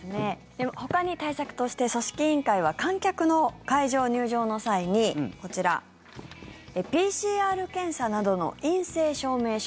ほかに対策として組織委員会は観客の会場入場の際に、こちらＰＣＲ検査などの陰性証明書